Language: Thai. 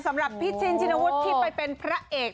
สำหรับพี่ชินชินวุฒิที่ไปเป็นพระเอก